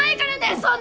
そんなの！